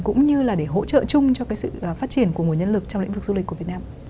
cũng như là để hỗ trợ chung cho cái sự phát triển của nguồn nhân lực trong lĩnh vực du lịch của việt nam